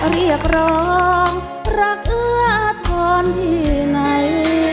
ร้องได้ให้ร้าง